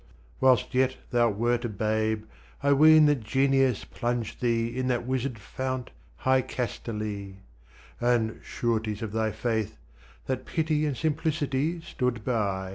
whilst yet thou wert a babe, I ween That Genius plunged thee in that wizard fount High Castalie: and (sureties of thy faith) That Pity and Simplicity stood by.